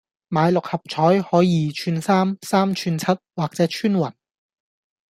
買六合彩可二串三、三串七或者穿雲